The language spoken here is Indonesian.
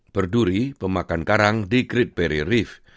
berduri pemakan karang di great barrier reef